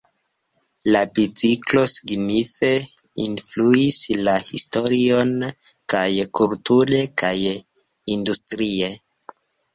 La biciklo signife influis la historion kaj kulture kaj industrie.